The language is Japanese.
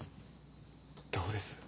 どうです？